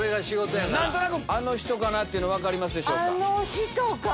何となくあの人かな？っていうの分かりますでしょうか？